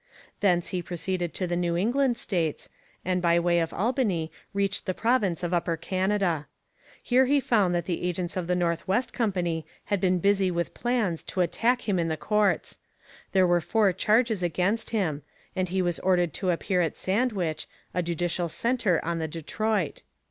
Thence he proceeded to the New England States, and by way of Albany reached the province of Upper Canada. Here he found that the agents of the North West Company had been busy with plans to attack him in the courts. There were four charges against him, and he was ordered to appear at Sandwich, a judicial centre on the Detroit.